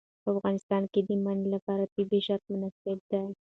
په افغانستان کې د منی لپاره طبیعي شرایط مناسب دي.